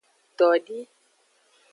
Todi.